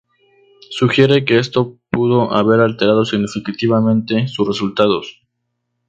Sugiere que esto pudo haber alterado significativamente sus resultados.